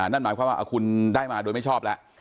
นั่นหมายความว่าคุณได้มาโดยไม่ชอบแล้ว